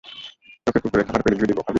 তোকে কুকুরের খাবার পেডিগ্রি দিব, খাবি?